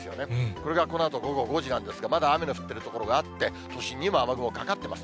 これがこのあと午後５時なんですが、まだ雨の降っている所があって、都心にも雨雲かかってます。